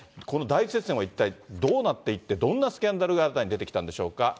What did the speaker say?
この大接戦は一体どうなっていって、どんなスキャンダルが新たに出てきたんでしょうか。